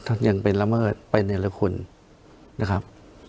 ท่านยังเป็นละเมิดเป็นละคุณนะครับ